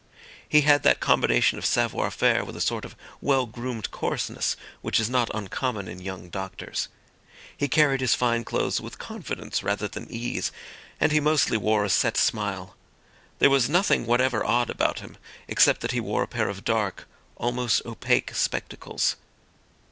He had that combination of savoir faire with a sort of well groomed coarseness which is not uncommon in young doctors. He carried his fine clothes with confidence rather than ease, and he mostly wore a set smile. There was nothing whatever odd about him, except that he wore a pair of dark, almost opaque spectacles.